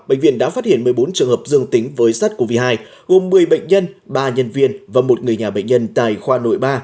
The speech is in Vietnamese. bệnh viện đã phát hiện một mươi bốn trường hợp dương tính với sars cov hai gồm một mươi bệnh nhân ba nhân viên và một người nhà bệnh nhân tại khoa nội ba